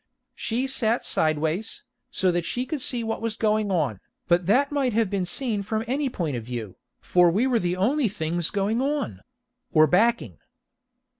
She sat sideways, so that she could see what was going on, but that might have been seen from any point of view, for we were the only things going on or backing.